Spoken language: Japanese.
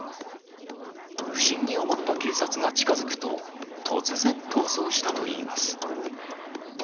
不審に思った警察が近づくと、突然逃走したといいます。